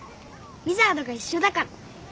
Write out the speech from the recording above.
ウィザードが一緒だから。